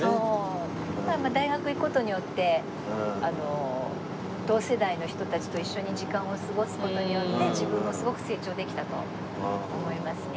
大学行く事によって同世代の人たちと一緒に時間を過ごす事によって自分もすごく成長できたと思いますね。